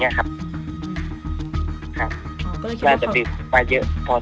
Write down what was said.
เนี้ยครับครับอ๋อก็เลยคิดว่าแล้วจะดื่มไปเยอะพอสมไว้